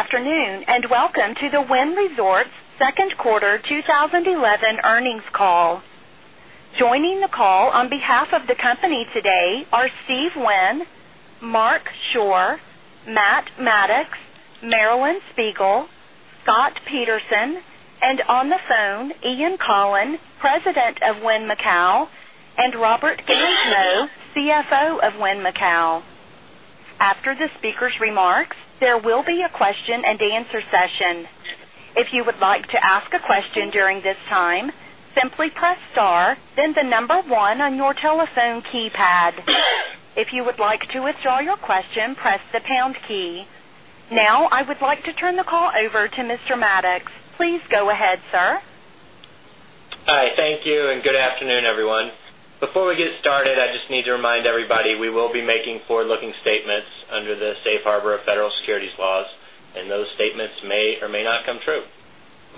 Good afternoon and welcome to the Wynn Resorts' Second Quarter 2011 Earnings all. Joining the call on behalf of the company today are Steve Wynn, Marc Schorr, Matt Maddox, Marilyn Spiegel, Scott Peterson, and on the phone, Ian Coughlan, President of Wynn Macau, and Robert Gansmo, CFO of Wynn Macau. After the speakers' remarks, there will be a question and answer session. If you would like to ask a question during this time, simply press star, then the number one on your telephone keypad. If you would like to withdraw your question, press the pound key. Now, I would like to turn the call over to Mr. Maddox. Please go ahead, sir. Hi, thank you, and good afternoon, everyone. Before we get started, I just need to remind everybody we will be making forward-looking statements under the Safe Harbor of Federal Securities laws, and those statements may or may not come true.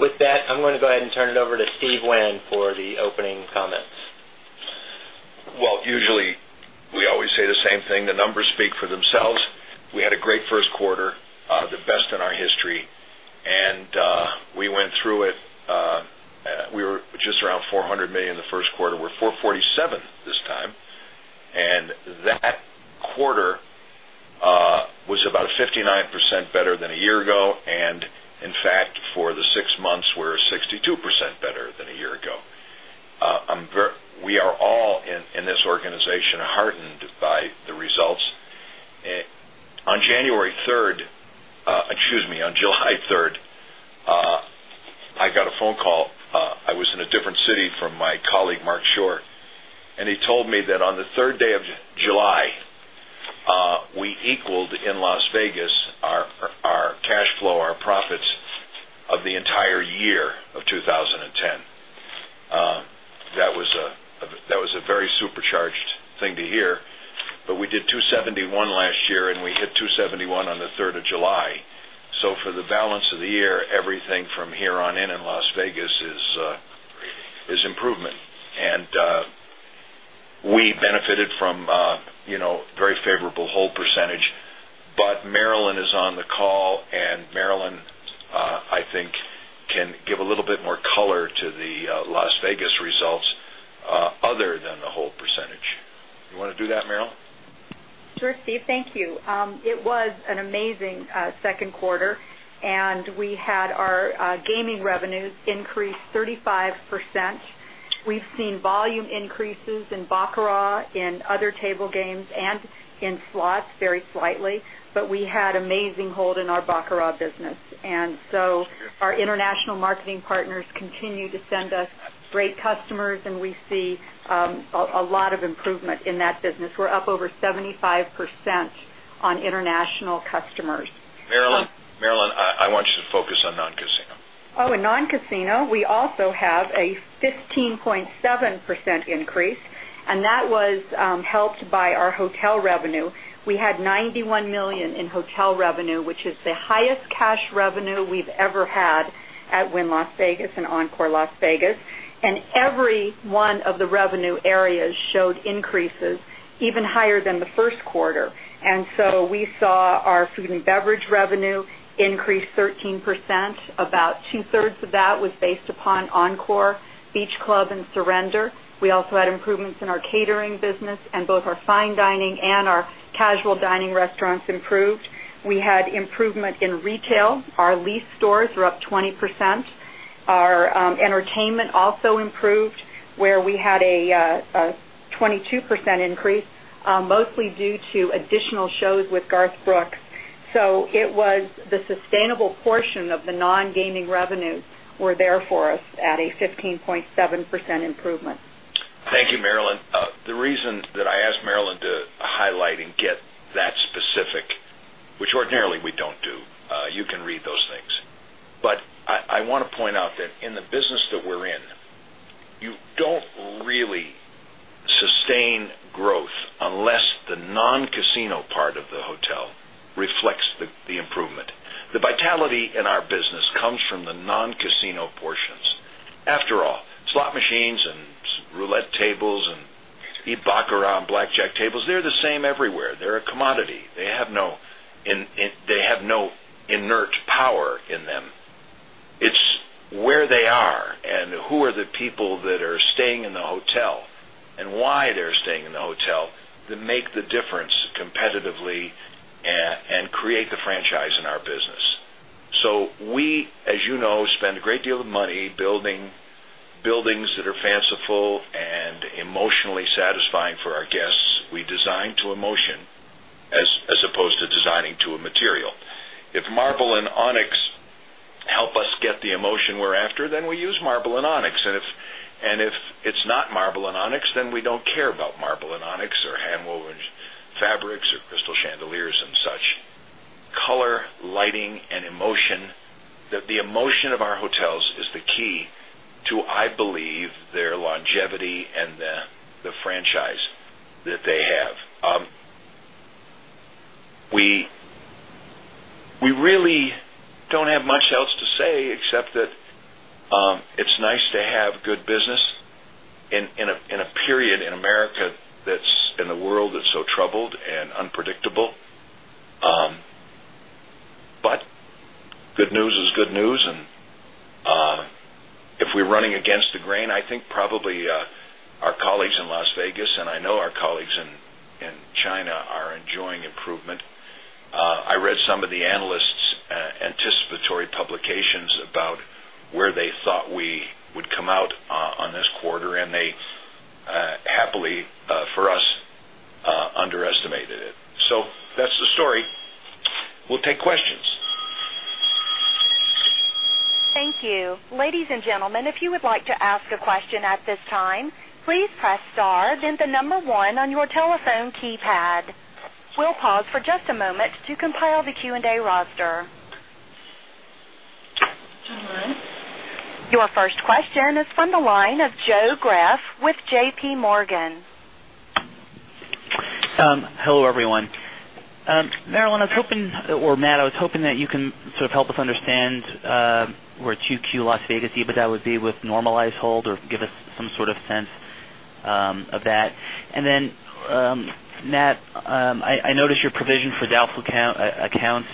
With that, I'm going to go ahead and turn it over to Steve Wynn for the opening comments. Usually, we always say the same thing: the numbers speak for themselves. We had a great first quarter, the best in our history, and we went through it. We were just around $400 million in the first quarter. We're $447 million this time, and that quarter was about a 59% better than a year ago. In fact, for the six months, we're 62% better than a year ago. We are all in this organization heartened by the results. On July 3rd, I got a phone call. I was in a different city from my colleague Marc Schorr, and he told me that on the third day of July, we equaled in Las Vegas our cash flow, our profits of the entire year of 2010. That was a very supercharged thing to hear, but we did $271 million last year, and we hit $271 million on the 3rd of July. For the balance of the year, everything from here on in in Las Vegas is improvement, and we benefited from a very favorable hold percentage. Marilyn is on the call, and Marilyn, I think, can give a little bit more color to the Las Vegas results other than the hold percentage. You want to do that, Marilyn? Sure, Steve, thank you. It was an amazing second quarter, and we had our gaming revenues increase 35%. We've seen volume increases in Baccarat, in other table games, and in slots very slightly, but we had amazing hold in our Baccarat business. Our international marketing partners continue to send us great customers, and we see a lot of improvement in that business. We're up over 75% on international customers. Marilyn, I want you to focus on non-casino. Oh, in non-casino, we also have a 15.7% increase, and that was helped by our hotel revenue. We had $91 million in hotel revenue, which is the highest cash revenue we've ever had at Wynn Las Vegas and Encore Las Vegas, and every one of the revenue areas showed increases even higher than the first quarter. We saw our food and beverage revenue increase 13%. About 2/3 of that was based upon Encore Beach Club and Surrender. We also had improvements in our catering business, and both our fine dining and our casual dining restaurants improved. We had improvement in retail. Our lease stores were up 20%. Our entertainment also improved, where we had a 22% increase, mostly due to additional shows with Garth Brooks. It was the sustainable portion of the non-gaming revenues that were there for us at a 15.7% improvement. Thank you, Marilyn. The reason that I asked Marilyn to highlight and get that specific, which ordinarily we don't do, you can read those things, but I want to point out that in the business that we're in, you don't really sustain growth unless the non-casino part of the hotel reflects the improvement. The vitality in our business comes from the non-casino portions. After all, slot machines and roulette tables and Baccarat and blackjack tables, they're the same everywhere. They're a commodity. They have no inert power in them. It's where they are and who are the people that are staying in the hotel and why they're staying in the hotel that make the difference competitively and create the franchise in our business. We, as you know, spend a great deal of money building buildings that are fanciful and emotionally satisfying for our guests. We design to emotion as opposed to designing to a material. If marble and onyx help us get the emotion we're after, then we use marble and onyx. If it's not marble and onyx, then we don't care about marble and onyx or handwoven fabrics or crystal chandeliers and such. Color, lighting, and emotion, the emotion of our hotels is the key to, I believe, their longevity and the franchise that they have. We really don't have much else to say except that it's nice to have good business in a period in America that's in the world that's so troubled and unpredictable. Good news is good news, and if we're running against the grain, I think probably our colleagues in Las Vegas and I know our colleagues in China are enjoying improvement. I read some of the analysts' anticipatory publications about where they thought we would come out on this quarter, and they happily for us underestimated it. That's the story. We'll take questions. Thank you. Ladies and gentlemen, if you would like to ask a question at this time, please press star, then the number one on your telephone keypad. We'll pause for just a moment to compile the Q&A roster. Your first question is from the line of Joe Graff with JPMorgan. Hello, everyone. Marilyn, I was hoping or Matt, I was hoping that you can sort of help us understand where 2Q Las Vegas EBITDA would be with normalized hold or give us some sort of sense of that. Matt, I noticed your provision for doubtful accounts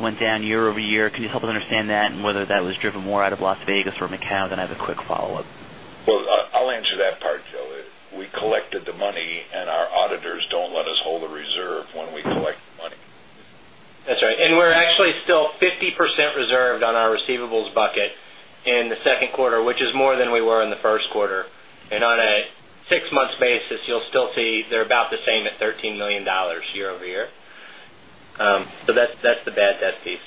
went down year-over-year. Can you help us understand that and whether that was driven more out of Las Vegas or Macau? I have a quick follow-up. I'll answer that part, Joe. We collected the money, and our auditors don't let us hold a reserve when we collect money. That's right. We're actually still 50% reserved on our receivables bucket in the second quarter, which is more than we were in the first quarter. On a six-month basis, you'll still see they're about the same at $13 million year-over-year. That's the bad debt piece.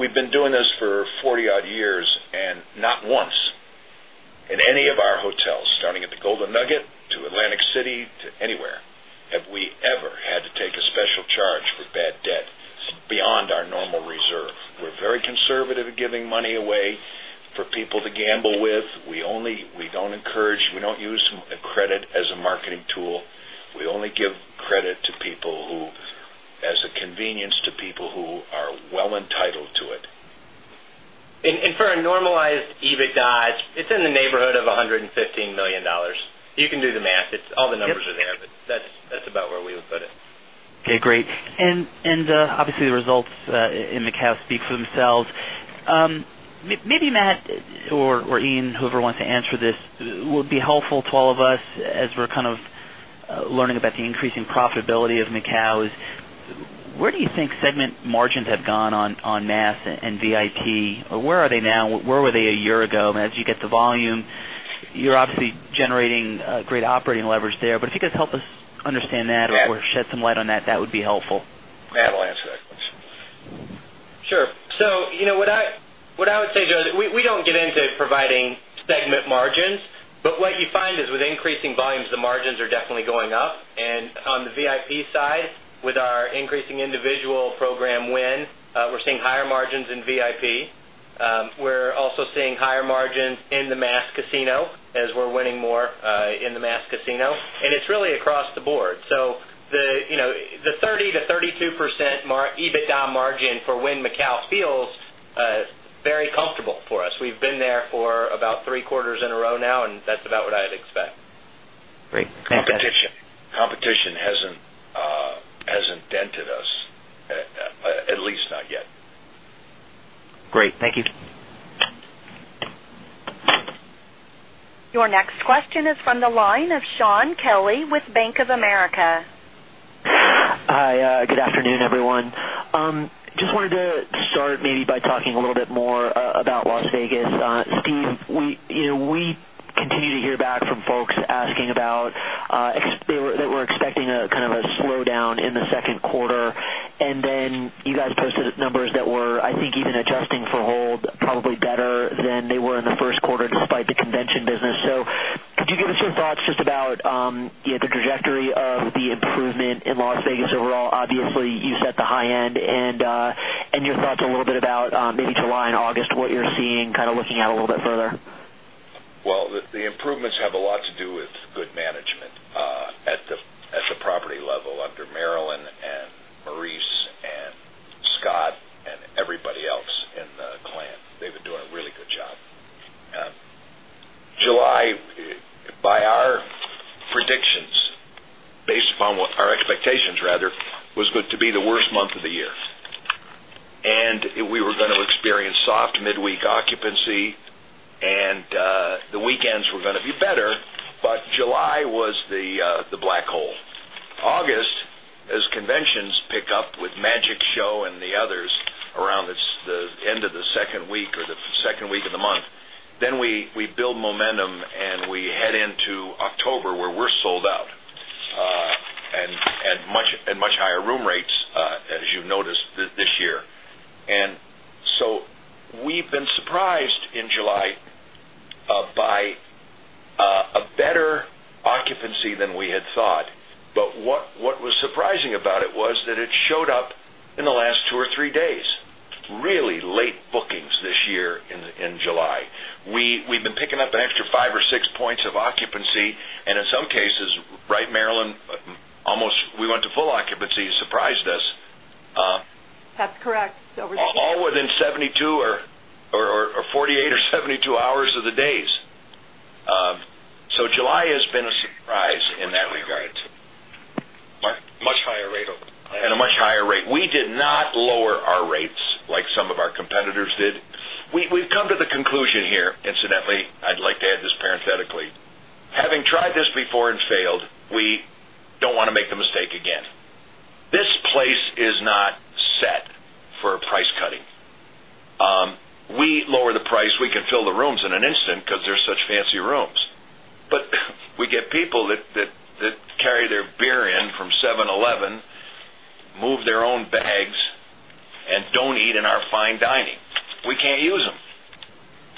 We have been doing this for 40-odd years, and not once in any of our hotels, starting at the Golden Nugget to Atlantic City to anywhere, have we ever had to take a special charge for bad debt beyond our normal reserve. We are very conservative in giving money away for people to gamble with. We do not encourage, we do not use credit as a marketing tool. We only give credit to people as a convenience to people who are well entitled to it. For a normalized EBITDA, it's in the neighborhood of $115 million. You can do the math. All the numbers are there, but that's about where we would put it. Okay, great. Obviously, the results in Macau speak for themselves. Maybe Matt or Ian, whoever wants to answer this, would be helpful to all of us as we're kind of learning about the increasing profitability of Macau. Where do you think segment margins have gone on Mass and VIP? Where are they now? Where were they a year ago? As you get the volume, you're obviously generating great operating leverage there. If you could help us understand that or shed some light on that, that would be helpful. Matt will answer that question. Sure. What I would say, Joe, is we don't get into providing segment margins, but what you find is with increasing volumes, the margins are definitely going up. On the VIP side, with our increasing individual program win, we're seeing higher margins in VIP. We're also seeing higher margins in the Mass casino as we're winning more in the Mass casino, and it's really across the board. The 30%-32% EBITDA margin for Wynn Macau feels very comfortable for us. We've been there for about three quarters in a row now, and that's about what I'd expect. Competition hasn't dented us, at least not yet. Great, thank you. Your next question is from the line of Shaun Kelley with Bank of America. Hi, good afternoon, everyone. I just wanted to start maybe by talking a little bit more about Las Vegas. Steve, you know we continue to hear back from folks asking about that we're expecting a kind of a slowdown in the second quarter, and then you guys posted numbers that were, I think, even adjusting for hold, probably better than they were in the first quarter by the convention business. Could you give us your thoughts just about the trajectory of the improvement in Las Vegas overall? Obviously, you set the high end, and your thoughts a little bit about maybe July and August, what you're seeing, kind of looking at a little bit further? The improvements have a lot to do with good management at the property level under Marilyn, Maurice, Scott, and everybody else in the client. They've been doing a really good job. July, by our predictions, based upon our expectations, rather, was going to be the worst month of the year. We were going to experience soft midweek occupancy, and the weekends were going to be better. July was the black hole. August, as conventions pick up with Magic Show and the others around the end of the second week or the second week of the month, we build momentum and we head into October where we're sold out and much higher room rates, as you've noticed this year. We've been surprised in July by a better occupancy than we had thought. What was surprising about it was that it showed up in the last two or three days, really late bookings this year in July. We've been picking up an extra five or six points of occupancy, and in some cases, right, Marilyn, almost we went to full occupancy to surprise this. That's correct. All within 48 or 72 hours of the days. July has been a surprise in that regard. Mark, much higher rate over. At a much higher rate. We did not lower our rates like some of our competitors did. We've come to the conclusion here, incidentally, I'd like to add this parenthetically, having tried this before and failed, we don't want to make the mistake again. This place is not set for price cutting. If we lower the price, we can fill the rooms in an instant because they're such fancy rooms, but we get people that carry their beer in from 7-Eleven, move their own bags, and don't eat in our fine dining. We can't use them.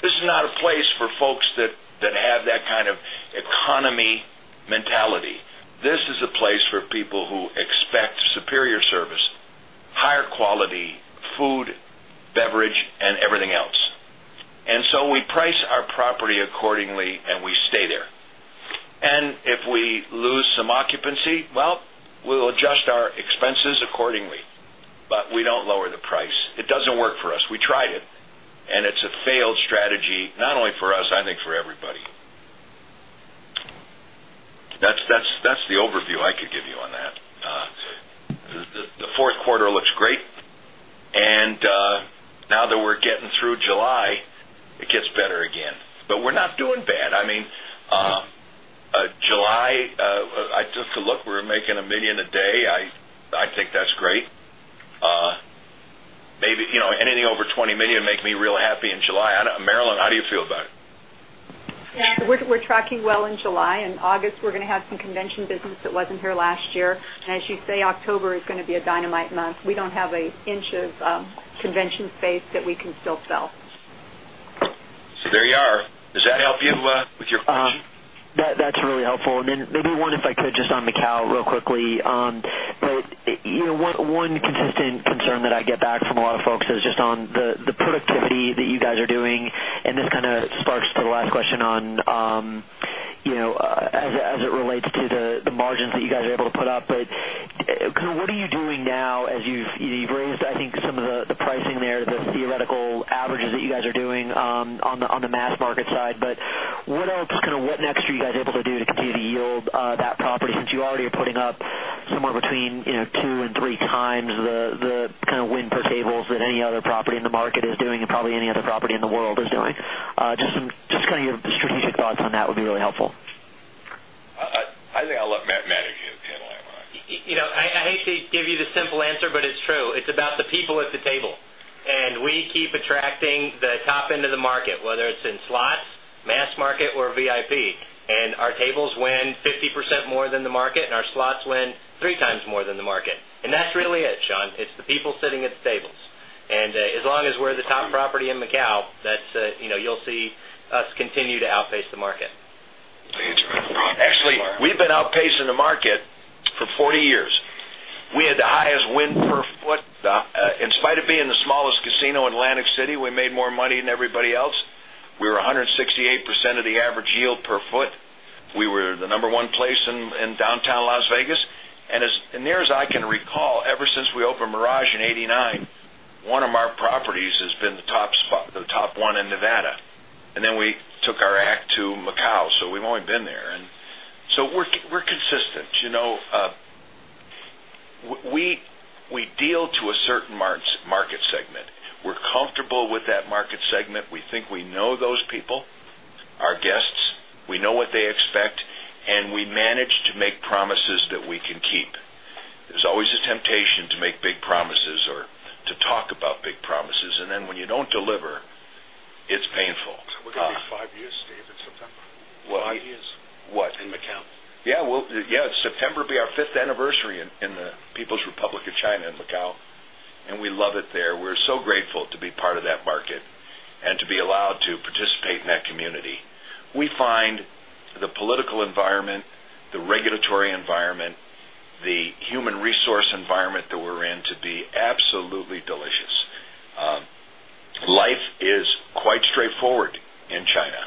This is not a place for folks that have that kind of economy mentality. This is a place for people who expect superior service, higher quality food, beverage, and everything else. We price our property accordingly, and we stay there. If we lose some occupancy, we will adjust our expenses accordingly, but we don't lower the price. It doesn't work for us. We tried it, and it's a failed strategy, not only for us, I think for everybody. That's the overview I could give you on that. The fourth quarter looks great. Now that we're getting through July, it gets better again. We're not doing bad. I mean, July, I took a look. We're making $1 million a day. I think that's great. Maybe you know anything over $20 million would make me real happy in July. Marilyn, how do you feel about it? We're tracking well in July. In August, we're going to have some convention business that wasn't here last year. As you say, October is going to be a dynamite month. We don't have an inch of convention space that we can still sell. There you are. Does that help you with your? That's really helpful. The other one, if I could, just on Macau real quickly. One consistent concern that I get back from a lot of folks is just on the productivity that you guys are doing. This kind of sparks the last question on, as it relates to the margins that you guys are able to put up. What are you doing now as you've removed, I think, some of the pricing there, the theoretical averages that you guys are doing on the mass market side? What else? What next are you guys able to do to continue to yield that property since you already are putting up somewhere between 2x and 3x the kind of win for tables that any other property in the market is doing and probably any other property in the world is doing? Your strategic thoughts on that would be really helpful. I think I'll let Matt handle that one. I hate to give you the simple answer, but it's true. It's about the people at the table. We keep attracting the top end of the market, whether it's in slots, mass market, or VIP. Our tables win 50% more than the market, and our slots win 3x more than the market. That's really it, Shaun. It's the people sitting at the tables. As long as we're the top property in Macau, you'll see us continue to outpace the market. Actually, we've been outpacing the market for 40 years. We had the highest win per foot. In spite of being the smallest casino in Atlantic City, we made more money than everybody else. We were 168% of the average yield per foot. We were the number one place in downtown Las Vegas. As near as I can recall, ever since we opened Mirage in 1989, one of our properties has been the top one in Nevada. We took our act to Macau. We've only been there, and we're consistent. You know, we deal to a certain market segment. We're comfortable with that market segment. We think we know those people, our guests, we know what they expect, and we manage to make promises that we can keep. There's always a temptation to make big promises or to talk about big promises. When you don't deliver, it's painful. We're going to have five years, Steve, in September? What? Five years. What? In Macau. Yeah, it's September will be our fifth anniversary in the People's Republic of China in Macau. We love it there. We're so grateful to be part of that market and to be allowed to participate in that community. We find the political environment, the regulatory environment, the human resource environment that we're in to be absolutely delicious. Life is quite straightforward in China.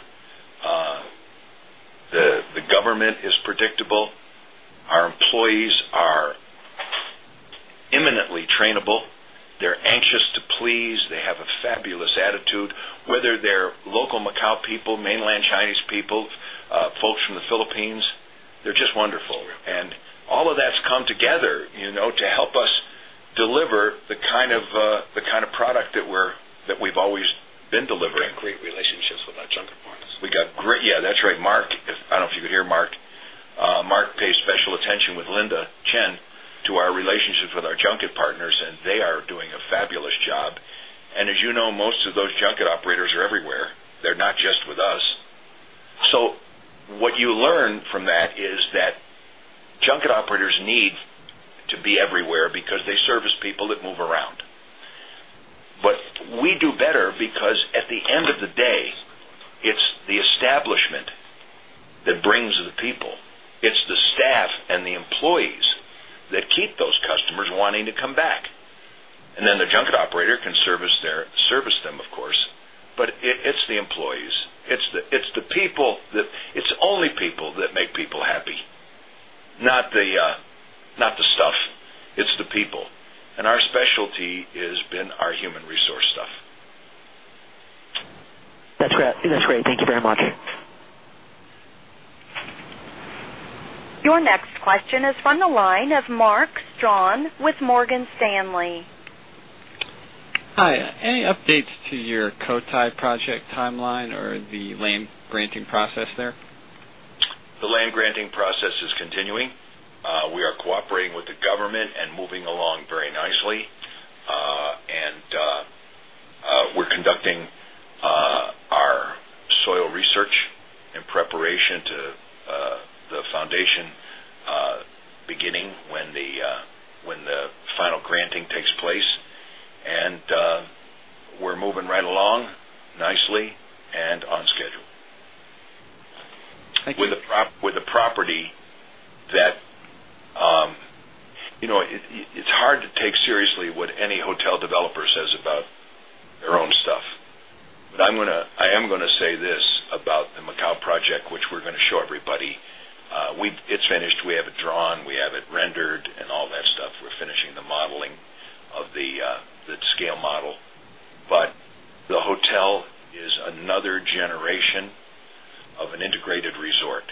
The government is predictable. Our employees are eminently trainable. They're anxious to please. They have a fabulous attitude. Whether they're local Macau people, Mainland Chinese people, folks from the Philippines, they're just wonderful. All of that's come together, you know, to help us deliver the kind of product that we've always been delivering. Great relationships with our junket partners. Yeah, that's right. Marc, I don't know if you could hear Marc. Marc pays special attention with Linda Chen to our relationships with our junket partners, and they are doing a fabulous job. As you know, most of those junket operators are everywhere. They're not just with us. What you learn from that is that junket operators need to be everywhere because they service people that move around. We do better because at the end of the day, it's the establishment that brings the people. It's the staff and the employees that keep those customers wanting to come back. The junket operator can service them, of course. It's the employees. It's the people that, it's only people that make people happy, not the staff. It's the people. Our specialty has been our human resource staff. That's great. Thank you very much. Your next question is from the line of Mark Strawn with Morgan Stanley. Hi, any updates to your Cotai project timeline or the land granting process there? The land granting process is continuing. We are cooperating with the government and moving along very nicely. We are conducting our soil research in preparation to the foundation beginning when the final granting takes place. We are moving right along nicely and on schedule. Thank you. With the property that, you know, it's hard to take seriously what any hotel developer says about their own stuff. I am going to say this about the Macau project, which we're going to show everybody. It's finished. We have it drawn. We have it rendered and all that stuff. We're finishing the modeling of the scale model. The hotel is another generation of an integrated resort.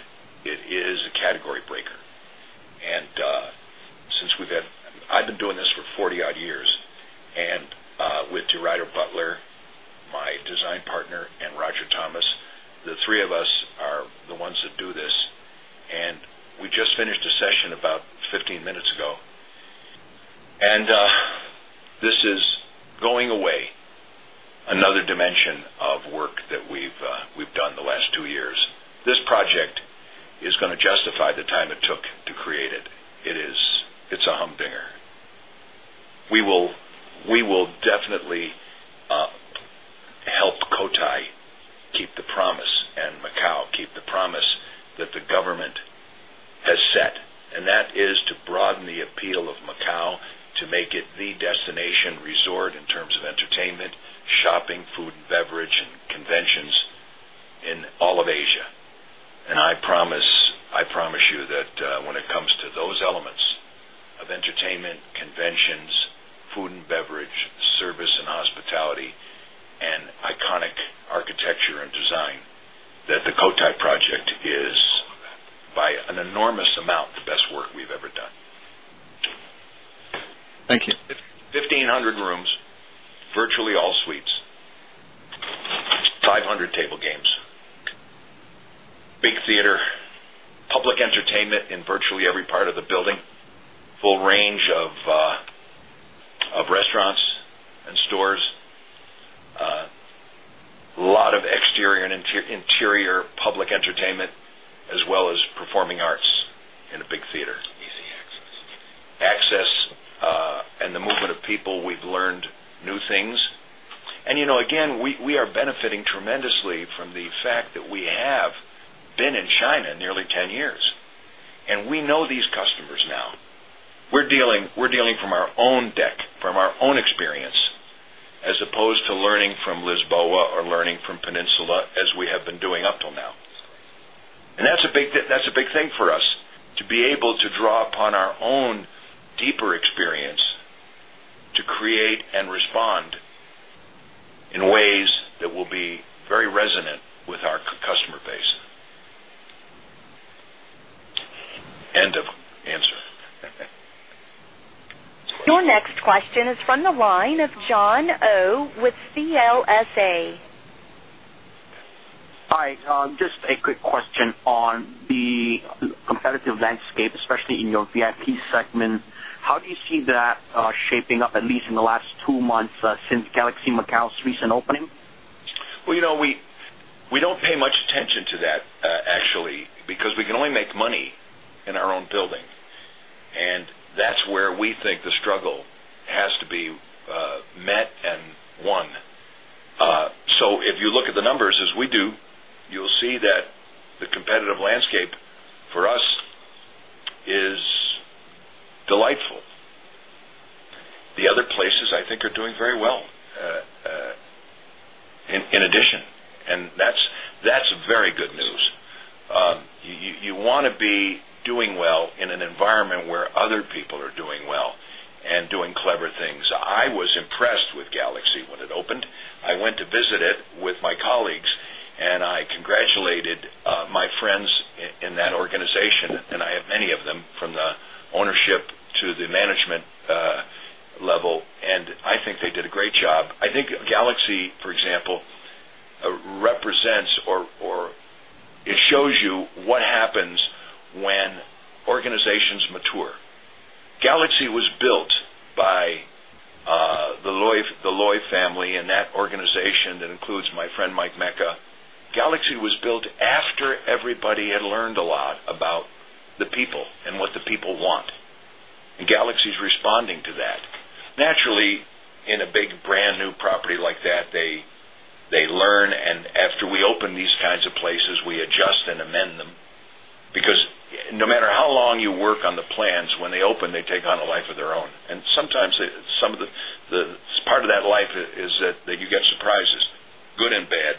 It is a category breaker. Since we've had, I've been doing this for 40-odd years. With DeRuyter Butler, my design partner, and Roger Thomas, the three of us are the ones that do this. We just finished a session about 15 minutes ago. This is going away, another dimension of work that we've done the last two years. This project is going to justify the time it took to create it. It's a humdinger. We will definitely help Cotai keep the promise and Macau keep the promise that the government has set. That is to broaden the appeal of Macau to make it the destination resort in terms of entertainment, shopping, food and beverage, and conventions in all of Asia. I promise you that when it comes to those elements of entertainment, conventions, food and beverage, service and hospitality, and iconic architecture and design, the Cotai project is, by an enormous amount, the best work we've ever done. Thank you. 1,500 rooms, virtually all suites, 500 table games, big theater, public entertainment in virtually every part of the building, full range of restaurants and stores, a lot of exterior and interior public entertainment, as well as performing arts in a big theater. Easy access. Access and the movement of people, we've learned new things. We are benefiting tremendously from the fact that we have been in China nearly 10 years, and we know these customers now. We're dealing from our own deck, from our own experience, as opposed to learning from Lisboa or learning from Peninsula, as we have been doing up till now. That's a big thing for us, to be able to draw upon our own deeper experience to create and respond in ways that will be very resonant with our customer base. End of answer. Your next question is from the line of Jon Oh with CLSA. Hi, just a quick question on the competitive landscape, especially in your VIP segment. How do you see that shaping up, at least in the last two months since Galaxy Macau's recent opening? You know, we don't pay much attention to that, actually, because we can only make money in our own building. That's where we think the struggle has to be met and won. If you look at the numbers, as we do, you'll see that the competitive landscape for us is delightful. The other places, I think, are doing very well in addition, and that's very good news. You want to be doing well in an environment where other people are doing well and doing clever things. I was impressed with Galaxy when it opened. I went to visit it with my colleagues, and I congratulated my friends in that organization, and I have many of them from the ownership to the management level. I think they did a great job. I think Galaxy, for example, represents or it shows you what happens when organizations mature. Galaxy was built by the Lloyd family and that organization that includes my friend Mike Mecca. Galaxy was built after everybody had learned a lot about the people and what the people want, and Galaxy's responding to that. Naturally, in a big brand-new property like that, they learn, and after we open these kinds of places, we adjust and amend them because no matter how long you work on the plans, when they open, they take on a life of their own. Sometimes part of that life is that you get surprises, good and bad.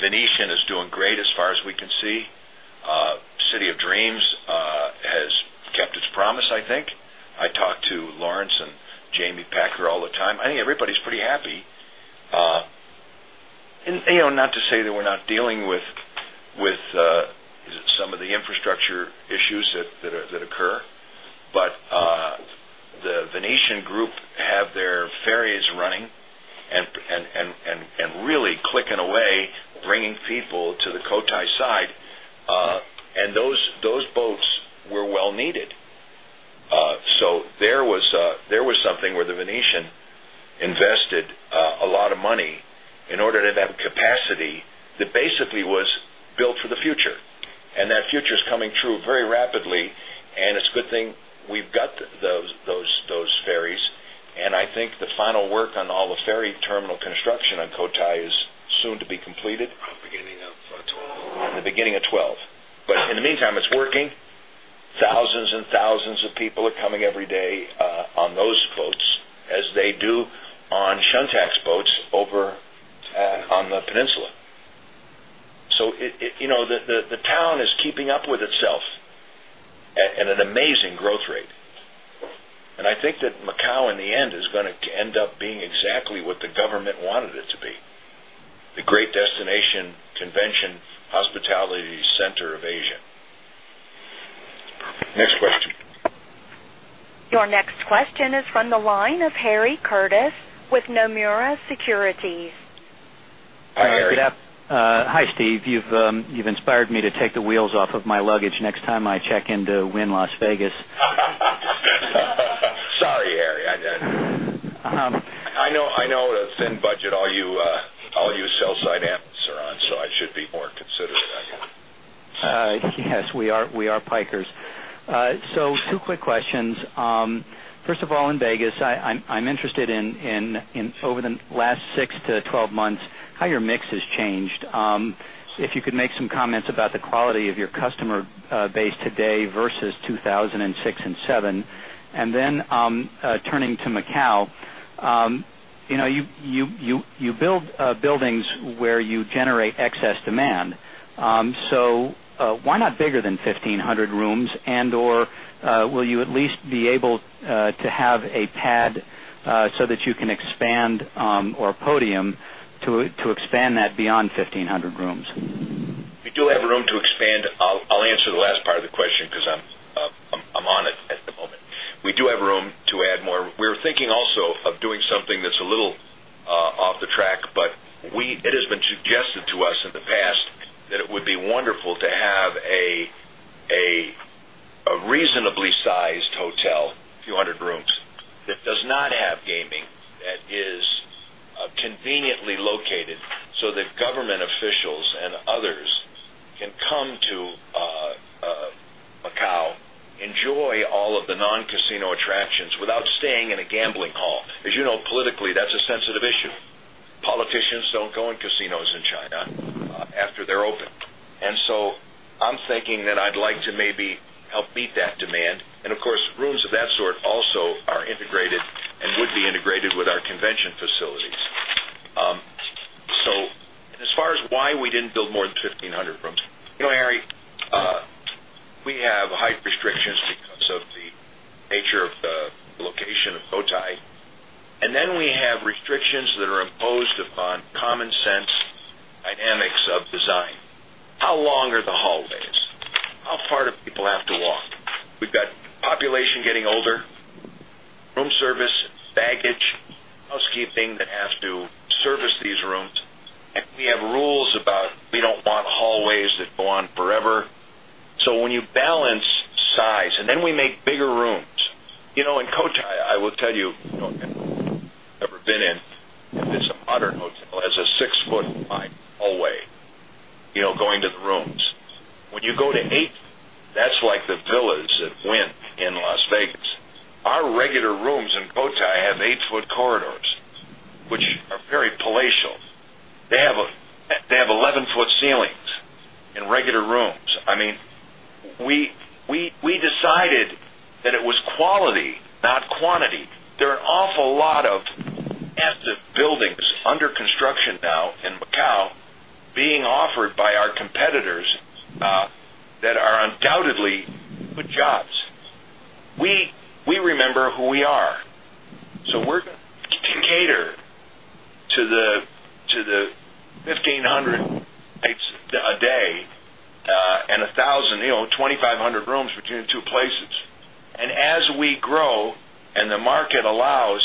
Venetian is doing great as far as we can see. City of Dreams has kept its promise, I think. I talk to Lawrence and Jamie Packer all the time. I think everybody's pretty happy. You know, not to say that we're not dealing with some of the infrastructure issues that occur, but the Venetian group have their ferries running and really clicking away, bringing people to the Cotai side. Those boats were well needed. There was something where the Venetian invested a lot of money in order to have capacity that basically was built for the future, and that future is coming true very rapidly. It's a good thing we've got those ferries. I think the final work on all the ferry terminal construction on Cotai is soon to be completed. Beginning of 2012? In the beginning of 2012. In the meantime, it's working. Thousands and thousands of people are coming every day on those boats, as they do on Shuntax boats over on the peninsula. The town is keeping up with itself at an amazing growth rate. I think that Macau, in the end, is going to end up being exactly what the government wanted it to be, the great destination convention hospitality center of Asia. Next question. Your next question is from the line of Harry Curtis with Nomura Securities. Hi, Harry. Hi Steve. You've inspired me to take the wheels off of my luggage next time I check into Wynn Las Vegas. Sorry, Harry. I know the thin budget all you sell side amps are on, so I should be more considerate of you. Yes, we are pikers. Two quick questions. First of all, in Las Vegas, I'm interested in over the last six to 12 months, how your mix has changed. If you could make some comments about the quality of your customer base today versus 2006 and 2007. Turning to Macau, you build buildings where you generate excess demand. Why not bigger than 1,500 rooms? Will you at least be able to have a pad so that you can expand or a podium to expand that beyond 1,500 rooms? We do have room to expand. I'll answer the last part of the question because I'm on it at the moment. We do have room to add more. We're thinking also of doing something that's a little off the track, but it has been suggested to us in the past that it would be wonderful to have a reasonably sized hotel, a few hundred rooms, that does not have gaming, that is conveniently located so that government officials and others can come to Macau, enjoy all of the non-casino attractions without staying in a gambling hall. As you know, politically, that's a sensitive issue. Politicians don't go in casinos in China after they're open. I'm thinking that I'd like to maybe help meet that demand. Of course, rooms of that sort also are integrated and would be integrated with our convention facilities. As far as why we didn't build more than 1,500 rooms, you know, Harry, we have height restrictions because of the nature of the location of Cotai. We have restrictions that are imposed upon common sense dynamics of design. How long are the hallways? How far do people have to walk? We've got population getting older, room service, baggage, housekeeping that has to service these rooms. We have rules about we don't want hallways that go on forever. When you balance size and then we make bigger rooms, you know, in Cotai, I will tell you, you know, I've never been in, if it's a modern hotel, it has a six-foot wide hallway, you know, going to the rooms. When you go to eight, that's like the villas at Wynn in Las Vegas. Our regular rooms in Cotai have eight-foot corridors, which are very palatial. They have 11-foot ceilings in regular rooms. I mean, we decided that it was quality, not quantity. There are an awful lot of active buildings under construction now in Macau being offered by our competitors that are undoubtedly pujats. We remember who we are. We're going to cater to the 1,500 nights a day and 1,000, you know, 2,500 rooms between the two places. As we grow and the market allows,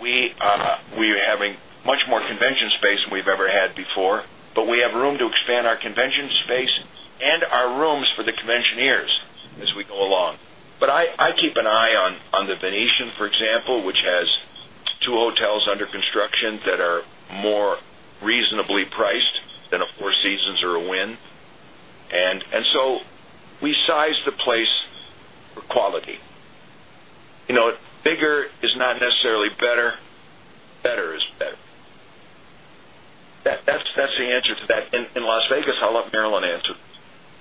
we are having much more convention space than we've ever had before, but we have room to expand our convention space and our rooms for the conventioneers as we go along. I keep an eye on the Venetian, for example, which has two hotels under construction that are more reasonably priced than a Four Seasons or a Wynn. We size the place for quality. Bigger is not necessarily better. Better is better. That's the answer to that. In Las Vegas, I'll let Marilyn answer.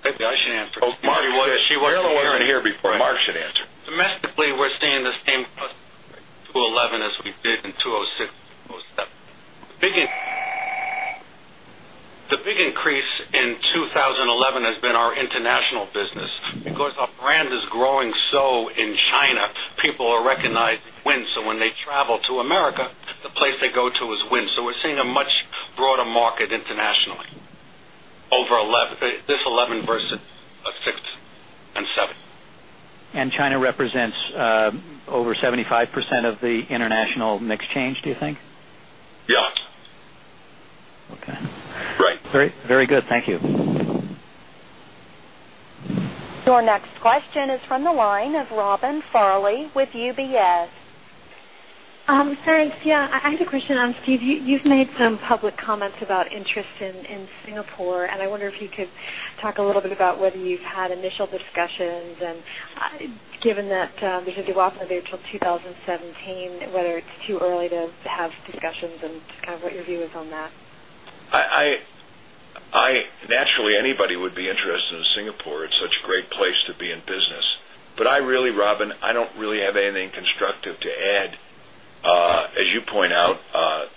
Maybe I should answer. Oh, Martin, she wasn't here before. Marc should answer. Domestically, we're seeing the same customer in 2011 as we did in 2006 and 2007. The big increase in 2011 has been our international business because our brand is growing. In China, people are recognizing Wynn. When they travel to America, the place they go to is Wynn. We're seeing a much broader market internationally, over this 2011 versus 2006 and 2007. China represents over 75% of the international mix change, do you think? Yeah. Okay. Right. Very good. Thank you. Your next question is from the line of Robin Farley with UBS. Thanks. Yeah, I have a question. Steve, you've made some public comments about interest in Singapore, and I wonder if you could talk a little bit about whether you've had initial discussions, and given that there's a de-walker there till 2017, whether it's too early to have discussions and kind of what your view is on that. Naturally, anybody would be interested in Singapore. It's such a great place to be in business. I really, Robin, I don't really have anything constructive to add. As you point out,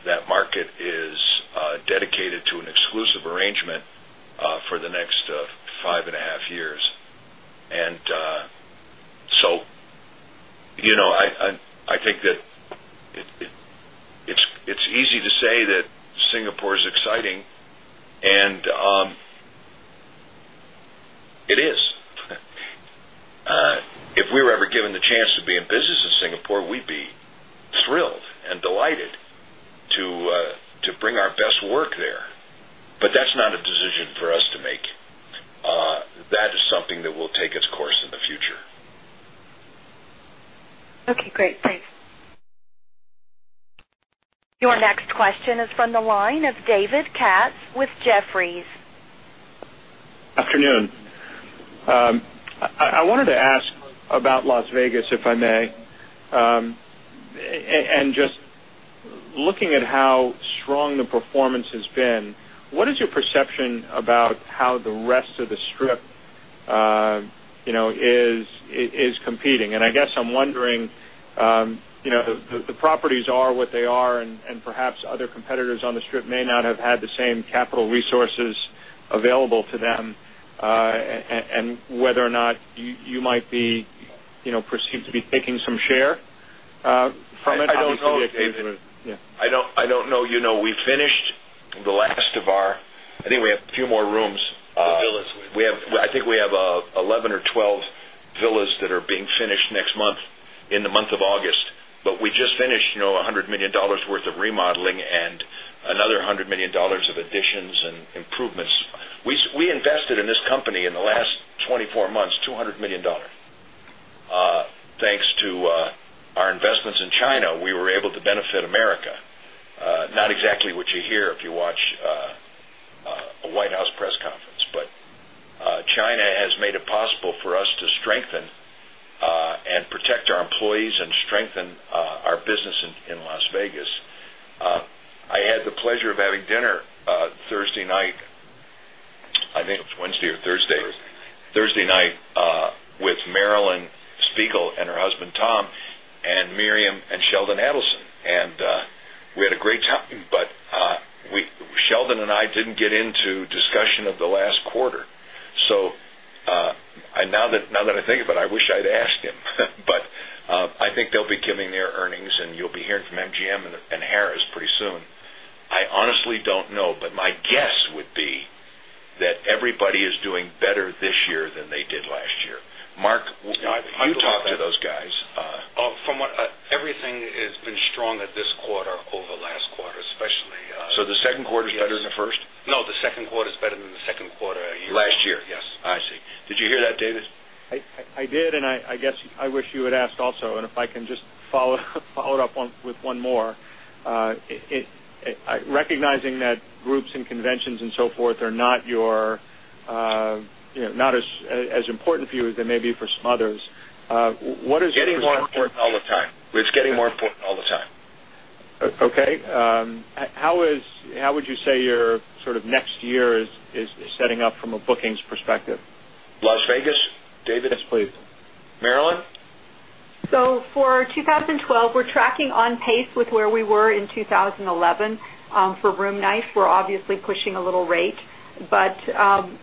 that market is dedicated to an exclusive arrangement for the next five and a half years. I think that it's easy to say that Singapore is exciting, and it is. If we were ever given the chance to be in business in Singapore, we'd be thrilled and delighted to bring our best work there. That's not a decision for us to make. That is something that will take its course in the future. Okay, great. Thanks. Your next question is from the line of David Katz with Jefferies. Afternoon. I wanted to ask about Las Vegas, if I may. Just looking at how strong the performance has been, what is your perception about how the rest of the Strip is competing? I guess I'm wondering, the properties are what they are, and perhaps other competitors on the Strip may not have had the same capital resources available to them, and whether or not you might be perceived to be taking some share from it. I don't know. I don't know. You know, we finished the last of our, I think we have a few more rooms. Villas. I think we have 11 or 12 villas that are being finished next month in the month of August. We just finished, you know, $100 million worth of remodeling and another $100 million of additions and improvements. We invested in this company in the last 24 months, $200 million. Thanks to our investments in China, we were able to benefit America. Not exactly what you hear if you watch a White House press conference. China has made it possible for us to strengthen and protect our employees and strengthen our business in Las Vegas. I had the pleasure of having dinner Thursday night, I think it was Wednesday or Thursday, Thursday night with Marilyn Spiegel and her husband Tom and Miriam and Sheldon Adelson. We had a great time, Sheldon and I didn't get into discussion of the last quarter. Now that I think about it, I wish I'd asked him. I think they'll be coming near earnings, and you'll be hearing from MGM and Harrah's pretty soon. I honestly don't know, my guess would be that everybody is doing better this year than they did last year. Marc, we'll talk to those guys. From what everything has been strong at this quarter over last quarter, especially. Is the second quarter better than the first? No, the second quarter is better than the second quarter of the year. Last year? Yes. I see. Did you hear that, David? I did. I guess I wish you had asked also. If I can just follow it up with one more, recognizing that groups and conventions and so forth are not, you know, not as important for you as they may be for some others, what is your concern? It's getting more important all the time. It's getting more important all the time. Okay, how would you say your sort of next year is setting up from a bookings perspective? Las Vegas, David? Yes, please. Marilyn? For 2012, we're tracking on pace with where we were in 2011 for room nights. We're obviously pushing a little rate, but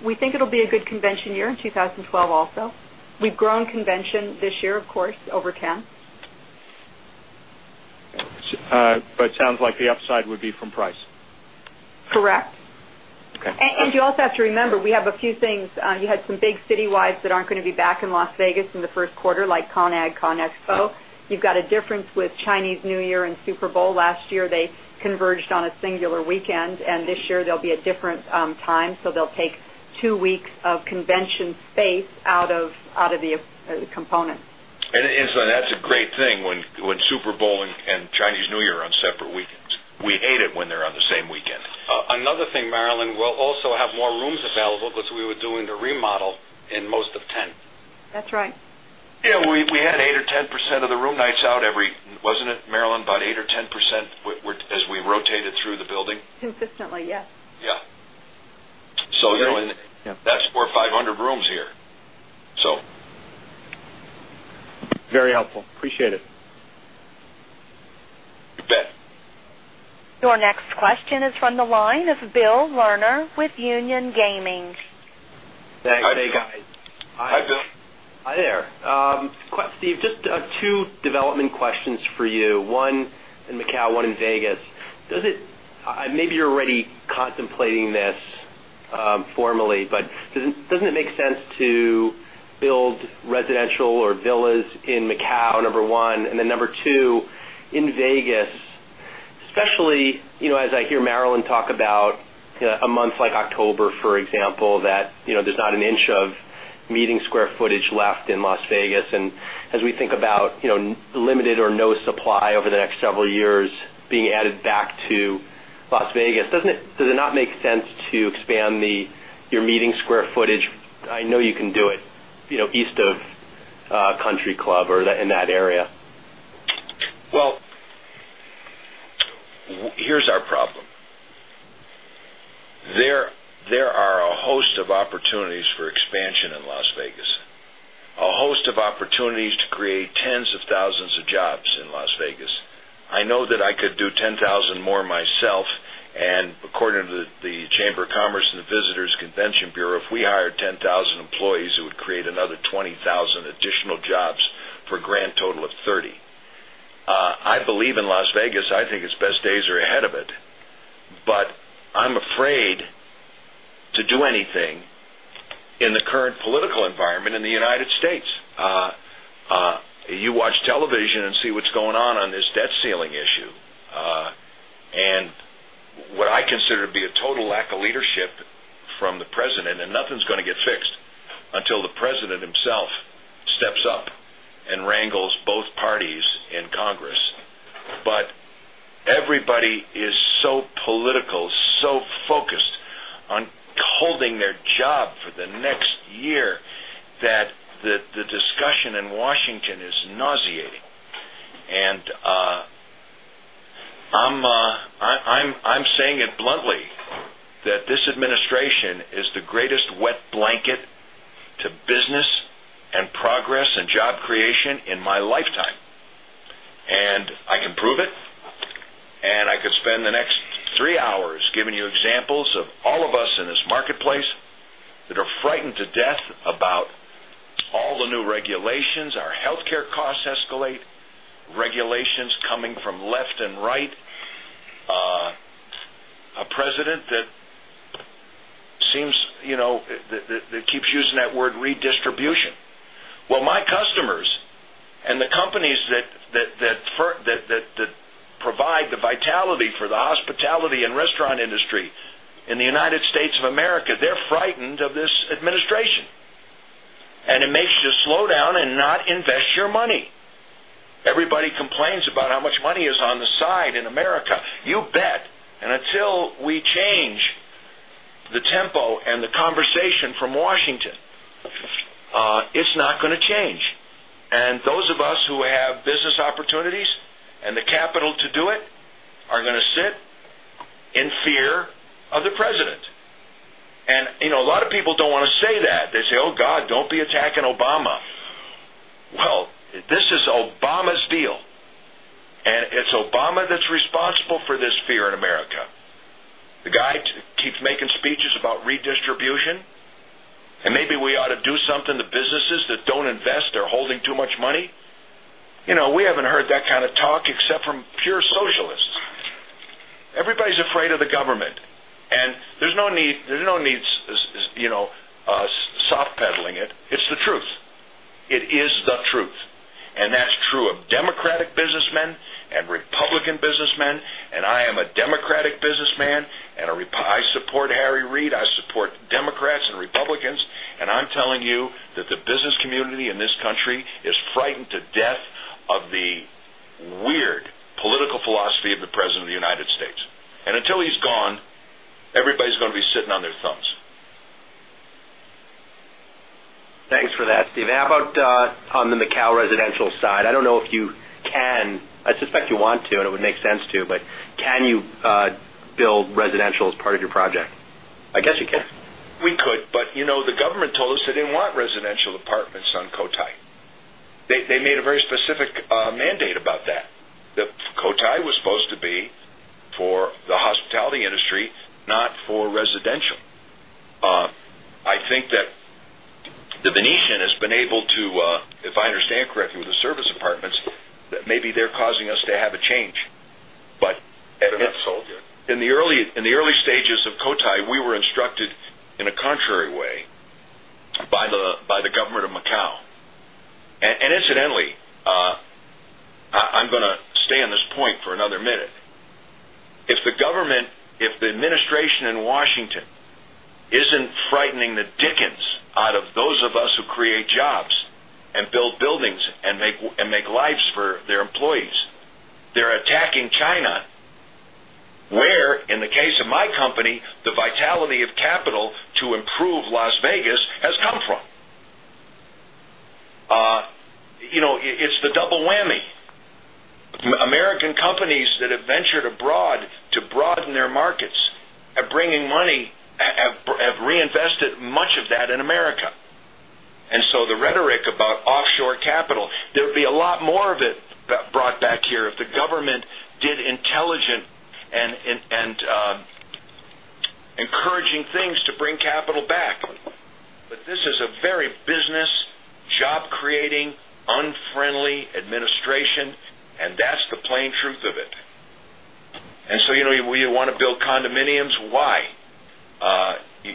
we think it'll be a good convention year in 2012 also. We've grown convention this year, of course, over 10%. It sounds like the upside would be from price. Correct. Okay. You also have to remember, we have a few things. You had some big citywides that are not going to be back in Las Vegas in the first quarter, like CON/AGG, CONEXPO. You have a difference with Chinese New Year and Super Bowl. Last year, they converged on a singular weekend, and this year, they will be at a different time. They will take two weeks of convention space out of the component. That's a great thing when Super Bowl and Chinese New Year are on separate weekends. We hate it when they're on the same weekend. Another thing, Marilyn, we'll also have more rooms available because we were doing the remodel in most of 2010. That's right. Yeah, we had 8% or 10% of the room nights out every, wasn't it, Marilyn, about 8% or 10% as we rotated through the building? Consistently, yes. Yeah, you know, that's 4,500 rooms here. Very helpful. Appreciate it. You bet. Your next question is from the line of Bill Lerner with Union Gaming. Thanks. Hey, guys. Hi, Bill. Hi there. Steve, just two development questions for you. One in Macau, one in Vegas. Maybe you're already contemplating this formally, but doesn't it make sense to build residential or villas in Macau, number one? Then, in Vegas, especially as I hear Marilyn talk about a month like October, for example, that you know there's not an inch of meeting square footage left in Las Vegas. As we think about limited or no supply over the next several years being added back to Las Vegas, does it not make sense to expand your meeting square footage? I know you can do it east of Country Club or in that area. Here's our problem. There are a host of opportunities for expansion in Las Vegas, a host of opportunities to create tens of thousands of jobs in Las Vegas. I know that I could do 10,000 more myself. According to the Chamber of Commerce and the Visitors Convention Bureau, if we hired 10,000 employees, it would create another 20,000 additional jobs for a grand total of 30,000. I believe in Las Vegas. I think its best days are ahead of it. I'm afraid to do anything in the current political environment in the United States. You watch television and see what's going on with this debt ceiling issue and what I consider to be a total lack of leadership from the President. Nothing's going to get fixed until the President himself steps up and wrangles both parties in Congress. Everybody is so political, so focused on holding their job for the next year that the discussion in Washington is nauseating. I'm saying it bluntly that this administration is the greatest wet blanket to business and progress and job creation in my lifetime. I can prove it. I could spend the next three hours giving you examples of all of us in this marketplace that are frightened to death about all the new regulations, our healthcare costs escalate, regulations coming from left and right, a President that seems, you know, that keeps using that word redistribution. My customers and the companies that provide the vitality for the hospitality and restaurant industry in the United States of America, they're frightened of this administration. It makes you slow down and not invest your money. Everybody complains about how much money is on the side in America. You bet. Until we change the tempo and the conversation from Washington, it's not going to change. Those of us who have business opportunities and the capital to do it are going to sit in fear of the President. You know, a lot of people don't want to say that. They say, "Oh God, don't be attacking Obama." This is Obama's deal. It's Obama that's responsible for this fear in America. The guy keeps making speeches about redistribution. Maybe we ought to do something. The businesses that don't invest, they're holding too much money. You know, we haven't heard that kind of talk except from pure socialists. Everybody's afraid of the government. There's no need, there's no need to, you know, soft-pedaling it. It's the truth. It is the truth. That's true of Democratic businessmen and Republican businessmen. I am a Democratic businessman. I support Harry Reid. I support Democrats and Republicans. I'm telling you that the business community in this country is frightened to death of the weird political philosophy of the President of the United States. Until he's gone, everybody's going to be sitting on their thumbs. Thanks for that, Steve. How about on the Macau residential side? I don't know if you, and I suspect you want to, and it would make sense to, but can you build residential as part of your project? I guess you can. We could, but you know, the government told us they didn't want residential apartments on Cotai. They made a very specific mandate about that. Cotai was supposed to be for the hospitality industry, not for residential. I think that the Venetian has been able to, if I understand correctly, with the service apartments, that maybe they're causing us to have a change. They're not sold yet. In the early stages of Cotai, we were instructed in a contrary way by the government of Macau. Incidentally, I'm going to stay on this point for another minute. If the government, if the administration in Washington isn't frightening the dickens out of those of us who create jobs and build buildings and make lives for their employees, they're attacking China, where in the case of my company, the vitality of capital to improve Las Vegas has come from. You know, it's the double whammy. American companies that have ventured abroad to broaden their markets and bring in money have reinvested much of that in America. The rhetoric about offshore capital, there would be a lot more of it brought back here if the government did intelligent and encouraging things to bring capital back. This is a very business, job-creating, unfriendly administration, and that's the plain truth of it. You know, you want to build condominiums. Why?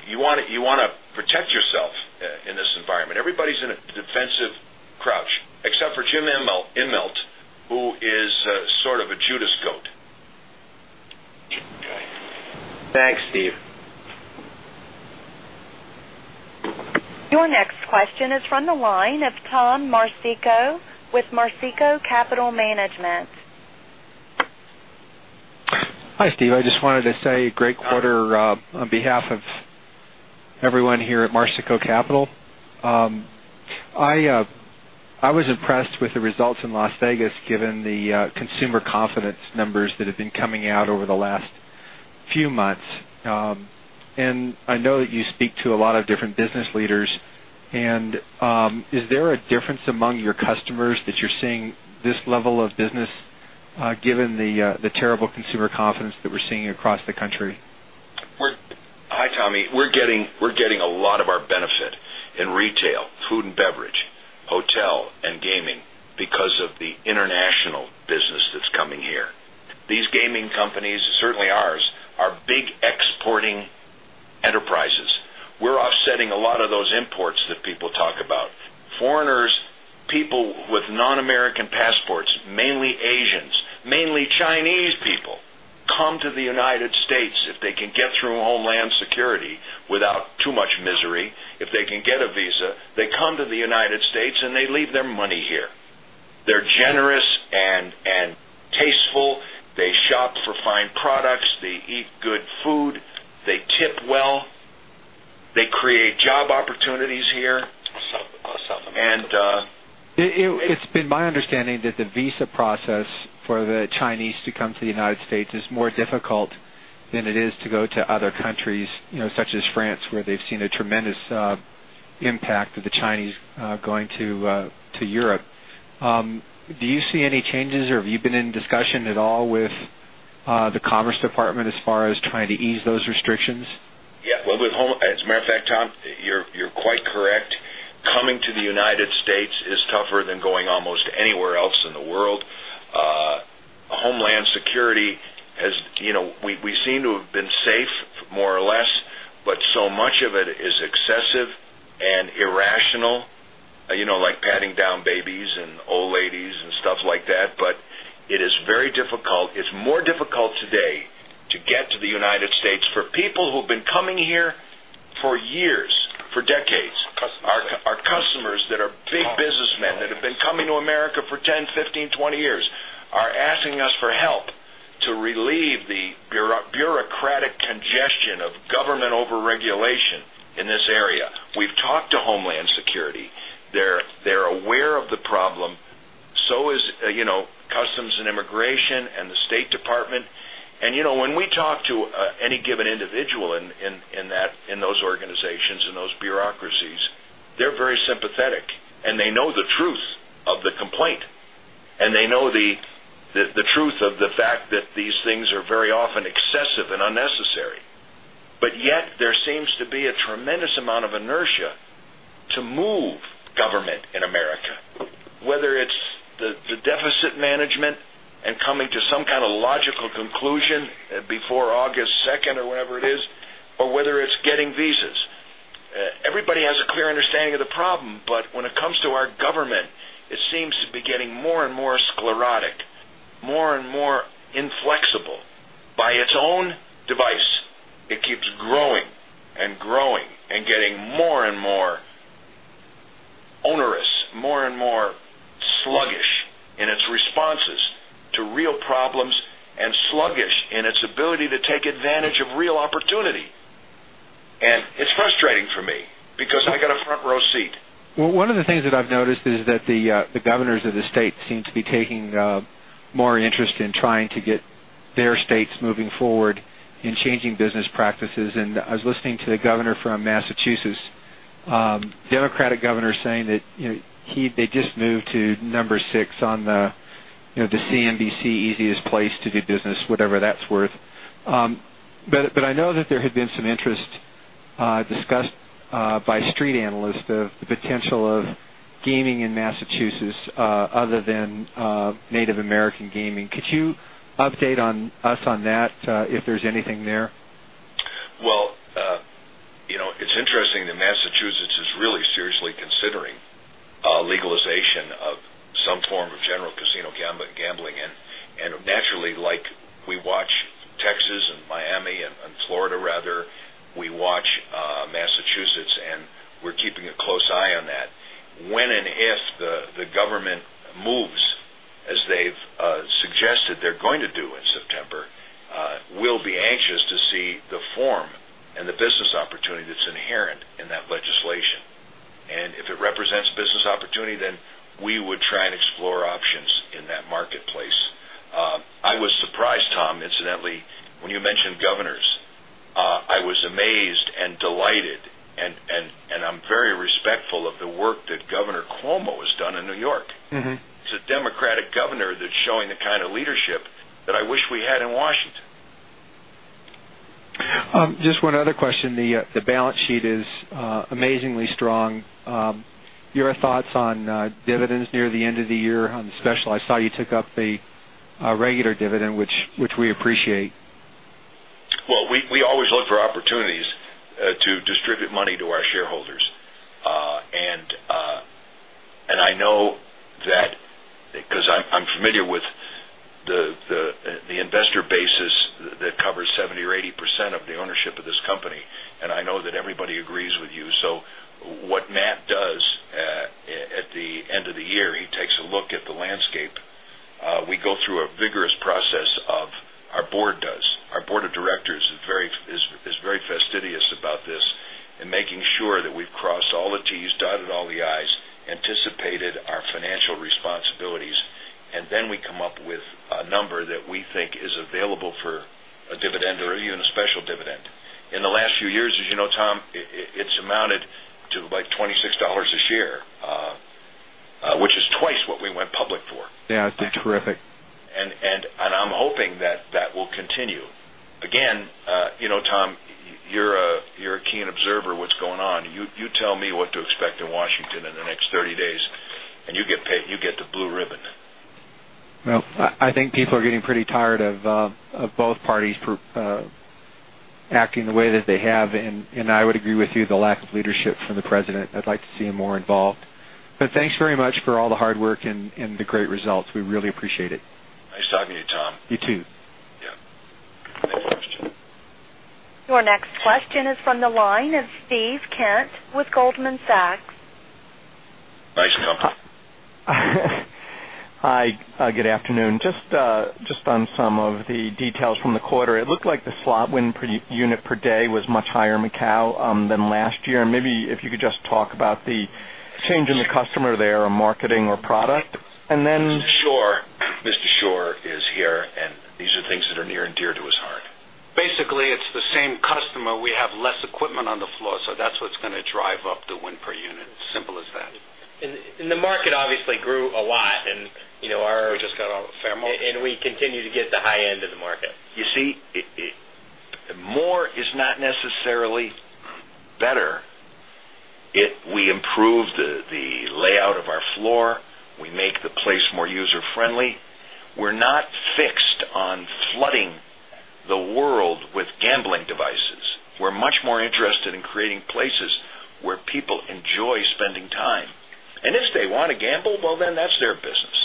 You want to protect yourself in this environment. Everybody's in a defensive crouch, except for Jim Immelt, who is sort of a Judas' Coat. Thanks, Steve. Your next question is from the line of Tom Marsico with Marsico Capital Management. Hi, Steve. I just wanted to say a great quarter on behalf of everyone here at Marsico Capital. I was impressed with the results in Las Vegas, given the consumer confidence numbers that have been coming out over the last few months. I know that you speak to a lot of different business leaders. Is there a difference among your customers that you're seeing this level of business, given the terrible consumer confidence that we're seeing across the country? Hi, Tommy. We're getting a lot of our benefit in retail, food and beverage, hotel, and gaming because of the international business that's coming here. These gaming companies, certainly ours, are big exporting enterprises. We're offsetting a lot of those imports that people talk about. Foreigners, people with non-American passports, mainly Asians, mainly Chinese people, come to the United States. If they can get through Homeland Security without too much misery, if they can get a visa, they come to the United States and they leave their money here. They're generous and tasteful. They shop for fine products. They eat good food. They tip well. They create job opportunities here. It's been my understanding that the visa process for the Chinese to come to the United States is more difficult than it is to go to other countries, you know, such as France, where they've seen a tremendous impact of the Chinese going to Europe. Do you see any changes or have you been in discussion at all with the Commerce Department as far as trying to ease those restrictions? Yeah. As a matter of fact, Tom, you're quite correct. Coming to the United States is tougher than going almost anywhere else in the world. Homeland Security has, you know, we seem to have been safe more or less, but so much of it is excessive and irrational, like patting down babies and old ladies and stuff like that. It is very difficult. It's more difficult today to get to the United States for people who've been coming here for years, for decades. Our customers that are big businessmen that have been coming to America for 10, 15, 20 years are asking us for help to relieve the bureaucratic congestion of government overregulation in this area. We've talked to Homeland Security. They're aware of the problem. So is Customs and Immigration and the State Department. When we talk to any given individual in those organizations and those bureaucracies, they're very sympathetic and they know the truth of the complaint and they know the truth of the fact that these things are very often excessive and unnecessary. Yet, there seems to be a tremendous amount of inertia to move government in America, whether it's the deficit management and coming to some kind of logical conclusion before August 2nd, 2011 or whenever it is, or whether it's getting visas. Everybody has a clear understanding of the problem, but when it comes to our government, it seems to be getting more and more sclerotic, more and more inflexible by its own device. It keeps growing and growing and getting more and more onerous, more and more sluggish in its responses to real problems and sluggish in its ability to take advantage of real opportunity. It's frustrating for me because I got a front row seat. One of the things that I've noticed is that the governors of the state seem to be taking more interest in trying to get their states moving forward in changing business practices. I was listening to the governor from Massachusetts, the Democratic governor, saying that, you know, they just moved to number six on the CNBC easiest place to do business, whatever that's worth. I know that there had been some interest discussed by street analysts of the potential of gaming in Massachusetts other than Native American gaming. Could you update us on that if there's anything there? It's interesting that Massachusetts is really seriously considering legalization of some form of general casino gambling. Naturally, like we watch Texas and Miami and Florida, rather, we watch Massachusetts, and we're keeping a close eye on that. When and if the government moves, as they've suggested they're going to do in September, we'll be anxious to see the form and the business opportunity that's inherent in that legislation. If it represents business opportunity, then we would try and explore options in that marketplace. I was surprised, Tom, incidentally, when you mentioned governors. I was amazed and delighted, and I'm very respectful of the work that Governor Cuomo has done in New York. It's a Democratic governor that's showing the kind of leadership that I wish we had in Washington. Just one other question. The balance sheet is amazingly strong. Your thoughts on dividends near the end of the year on the special? I saw you took up the regular dividend, which we appreciate. We always look for opportunities to distribute money to our shareholders. I know that because I'm familiar with the investor base that covers 70% or 80% of the ownership of this company, and I know that everybody agrees with you. What Matt does at the end of the year, he takes a look at the landscape. We go through a vigorous process. Our Board of Directors is very fastidious about this and making sure that we've crossed all the T's, dotted all the I's, anticipated our financial responsibilities, and then we come up with a number that we think is available for a dividend or even a special dividend. In the last few years, as you know, Tom, it's amounted to like $26 a share, which is twice what we went public for. Yeah, that's terrific. I'm hoping that that will continue. You know, Tom, you're a keen observer of what's going on. You tell me what to expect in Washington in the next 30 days, and you get the blue ribbon. I think people are getting pretty tired of both parties acting the way that they have. I would agree with you, the lack of leadership from the president. I'd like to see him more involved. Thanks very much for all the hard work and the great results. We really appreciate it. Nice talking to you, Tom. You too. Yeah, thank. Next question. Your next question is from the line of Steve Kent with Goldman Sachs. Nice jump. Hi, good afternoon. Just on some of the details from the quarter, it looked like the slot win per unit per day was much higher in Macau than last year. Maybe if you could just talk about the change in the customer there or marketing or product. Sure. Mr. Schorr is here, and these are things that are near and dear to his heart. Basically, it's the same customer. We have less equipment on the floor, so that's what's going to drive up the win per unit. It's as simple as that. The market obviously grew a lot, and you know our. We just got a family. We continue to get the high end of the market. You see, more is not necessarily better. We improve the layout of our floor. We make the place more user-friendly. We're not fixed on flooding the world with gambling devices. We're much more interested in creating places where people enjoy spending time. If they want to gamble, that's their business.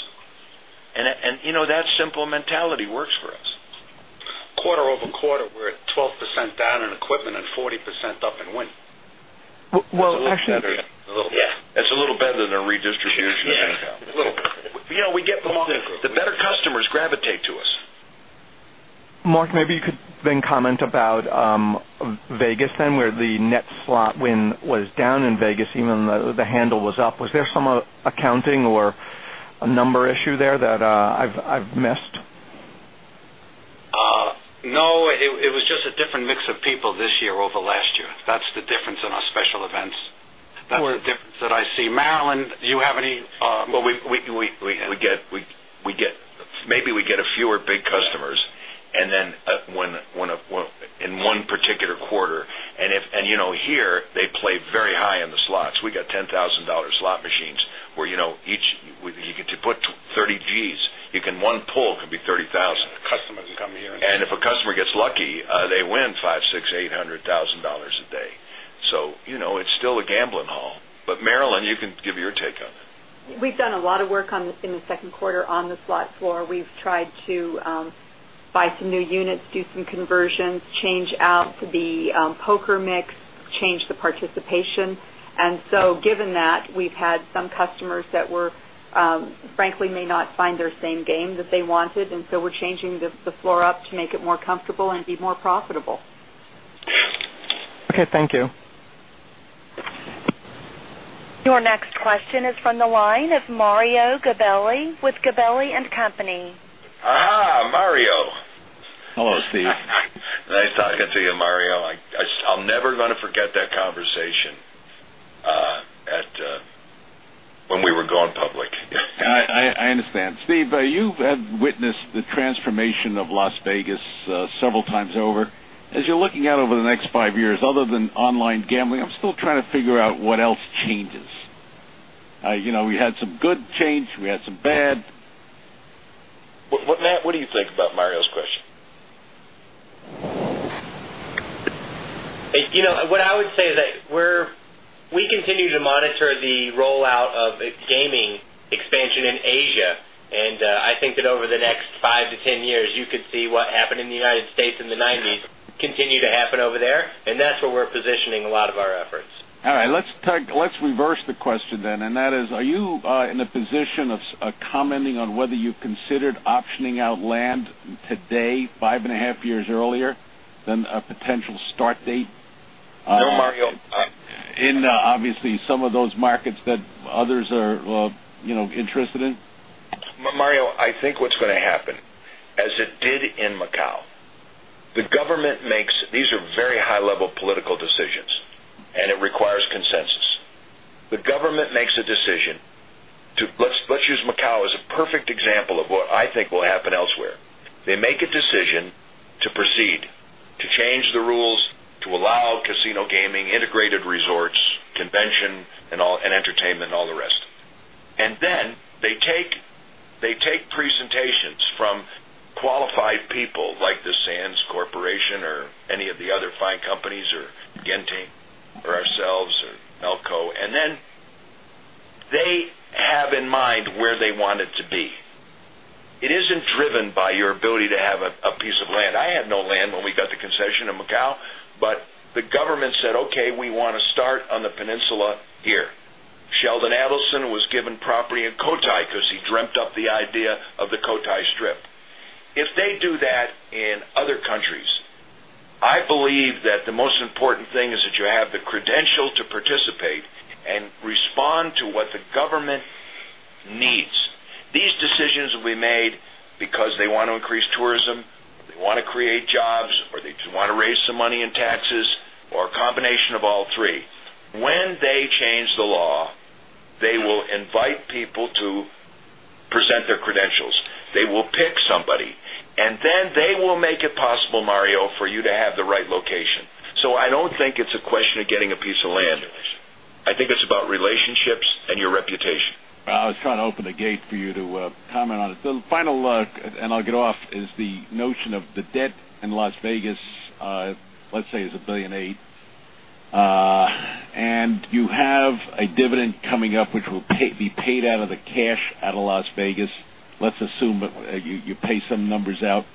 You know that simple mentality works for us. Quarter-over-quarter, we're 12% down on equipment and 40% up in win. Actually, it's a little better than a redistribution of income. A little bit. We get the better customers gravitate to us. Marc, maybe you could then comment about Vegas, where the net slot win was down in Vegas, even though the handle was up. Was there some accounting or a number issue there that I've missed? No, it was just a different mix of people this year over last year. That's the difference in our special events. That's the difference that I see. Marilyn, do you have any? We get maybe we get a fewer big customers in one particular quarter, and you know here they play very high on the slots. We got $10,000 slot machines where you know each you get to put $30,000. One pull could be $30,000. A customer can come here. If a customer gets lucky, they win $500,000, $600,000, $800,000 a day. You know it's still a gambling hall. Marilyn, you can give your take on it. We've done a lot of work in the second quarter on the slot floor. We've tried to buy some new units, do some conversions, change out the poker mix, change the participation. Given that, we've had some customers that, frankly, may not find their same game that they wanted. We're changing the floor up to make it more comfortable and be more profitable. Okay, thank you. Your next question is from the line of Mario Gabelli with Gabelli and Company. Mario. Hello, Steve. Nice talking to you, Mario. I'm never going to forget that conversation when we were going public. I understand. Steve, you've witnessed the transformation of Las Vegas several times over. As you're looking out over the next five years, other than online gambling, I'm still trying to figure out what else changes. You know, we had some good change. We had some bad. Matt, what do you think about Mario's question? What I would say is that we continue to monitor the rollout of its gaming expansion in Asia. I think that over the next five to 10 years, you could see what happened in the United States in the 1990s continue to happen over there. That's where we're positioning a lot of our efforts. All right, let's reverse the question. Are you in a position of commenting on whether you considered optioning out land today, five and a half years earlier than a potential start date? No, Mario. In obviously some of those markets that others are, you know, interested in? Mario, I think what's going to happen, as it did in Macau, the government makes, these are very high-level political decisions, and it requires consensus. The government makes a decision to, let's use Macau as a perfect example of what I think will happen elsewhere. They make a decision to proceed, to change the rules, to allow casino gaming, integrated resorts, convention, and entertainment, and all the rest. They take presentations from qualified people like the Sands Corporation or any of the other fine companies or Genting or ourselves or Melco, and they have in mind where they want it to be. It isn't driven by your ability to have a piece of land. I had no land when we got the concession in Macau, but the government said, "Okay, we want to start on the peninsula here." Sheldon Adelson was given property in Cotai because he dreamt up the idea of the Cotai Strip. If they do that in other countries, I believe that the most important thing is that you have the credential to participate and respond to what the government needs. These decisions will be made because they want to increase tourism, or they want to create jobs, or they just want to raise some money in taxes, or a combination of all three. When they change the law, they will invite people to present their credentials. They will pick somebody. They will make it possible, Mario, for you to have the right location. I don't think it's a question of getting a piece of land. I think it's about relationships and your reputation. I was trying to open a gate for you to comment on it. The final, and I'll get off, is the notion of the debt in Las Vegas, let's say, is $1.8 billion. You have a dividend coming up, which will be paid out of the cash out of Las Vegas. Let's assume that you pay some numbers out.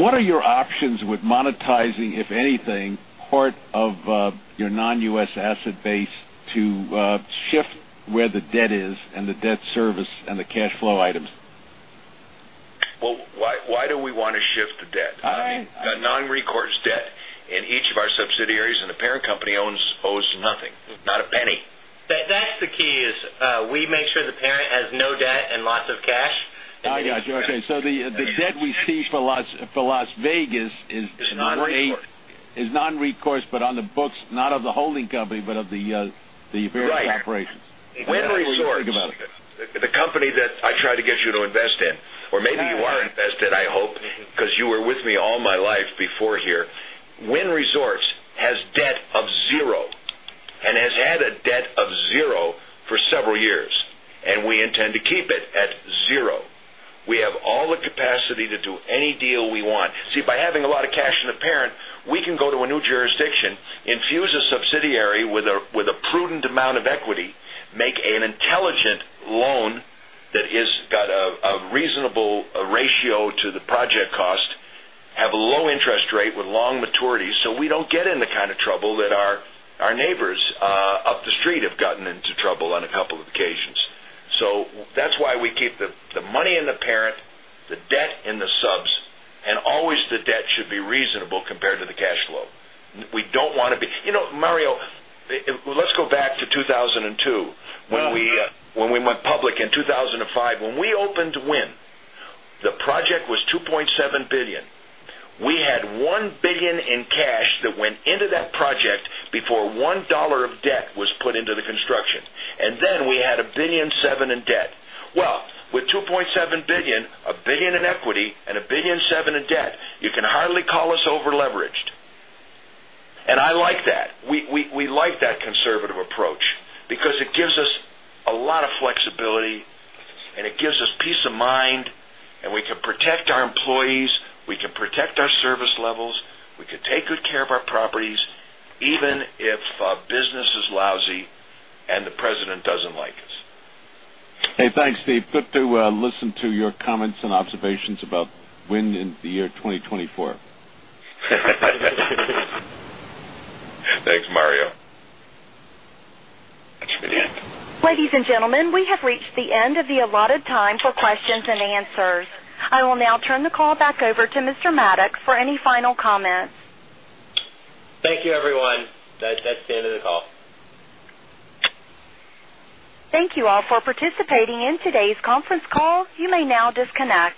What are your options with monetizing, if anything, part of your non-U.S. asset base to shift where the debt is and the debt service and the cash flow items? Why do we want to shift the debt? Non-recourse debt in each of our subsidiaries, and the parent company owes nothing, not a penny. That's the key, is we make sure the parent has no debt and lots of cash. I got you. Okay? The debt we see for Las Vegas is non-recourse, but on the books, not of the holding company, but of the parent's operations. Right. When we think about it, the company that I tried to get you to invest in, or maybe you are invested, I hope, because you were with me all my life before here, Wynn Resorts has debt of zero and has had a debt of zero for several years. We intend to keep it at zero. We have all the capacity to do any deal we want. By having a lot of cash in the parent, we can go to a new jurisdiction, infuse a subsidiary with a prudent amount of equity, make an intelligent loan that has got a reasonable ratio to the project cost, have a low interest rate with long maturity, so we don't get into the kind of trouble that our neighbors up the street have gotten into trouble on a couple of occasions. That's why we keep the money in the parent, the debt in the subs, and always the debt should be reasonable compared to the cash flow. We don't want to be, you know, Mario, let's go back to 2002 when we went public in 2005. When we opened Wynn, the project was $2.7 billion. We had $1 billion in cash that went into that project before $1 of debt was put into the construction. Then we had $1.7 billion in debt. With $2.7 billion, $1 billion in equity, and $1.7 billion in debt, you can hardly call us over-leveraged. I like that. We like that conservative approach because it gives us a lot of flexibility, and it gives us peace of mind, and we can protect our employees, we can protect our service levels, we can take good care of our properties, even if business is lousy and the president doesn't like us. Hey, thanks, Steve. Good to listen to your comments and observations about Wynn in the year 2024. Thanks, Mario. Ladies and gentlemen, we have reached the end of the allotted time for questions and answers. I will now turn the call back over to Mr. Maddox for any final comments. Thank you, everyone. That's the end of the call. Thank you all for participating in today's conference call. You may now disconnect.